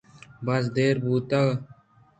باز دیر بوت